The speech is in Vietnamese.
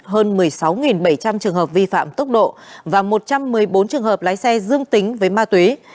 hơn một mươi sáu bảy trăm linh trường hợp vi phạm tốc độ và một trăm một mươi bốn trường hợp lái xe dương tính với ma túy